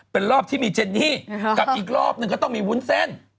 เป็นรอบที่มีเจนนี่กับอีกรอบหนึ่งก็ต้องมีวุ้นเส้น